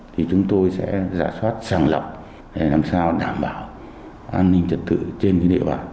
thì chúng tôi sẽ giả soát sàng lọc để làm sao đảm bảo an ninh trật tự